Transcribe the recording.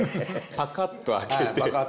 パカッと開けて。